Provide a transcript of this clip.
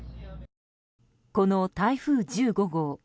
この台風１５号。